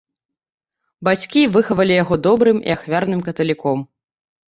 Бацькі выхавалі яго добрым і ахвярным каталіком.